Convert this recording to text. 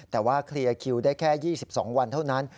แต่ว่าเคลียร์คิวได้แค่๒๒วันเท่านั้น